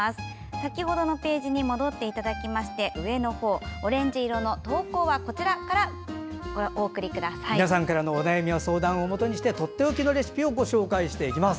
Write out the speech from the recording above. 先ほどのページに戻っていただきまして上の方オレンジ色の「投稿はこちら」から皆さんからのお悩みや相談をもとにしてとっておきのレシピをご紹介していきます。